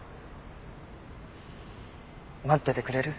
待っててくれる？